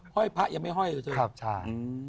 ห้อยพระยังไม่ห้อยหรือเธอครับใช่